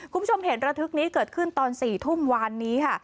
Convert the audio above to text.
คุณผู้ชมเหตุระทึกนี้เกิดขึ้นตอน๔ทุ่มวานนี้ค่ะ